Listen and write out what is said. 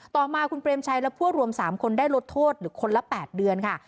ต่อมาคุณเปรมชัยและพวกรวม๓คนได้ลดโทษหรือคนละ๘เดือนค่ะ